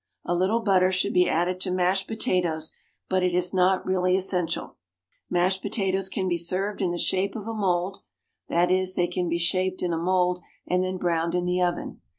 A little butter should be added to mashed potatoes, but it is not really essential. Mashed potatoes can be served in the shape of a mould, that is, they can be shaped in a mould and then browned in the oven.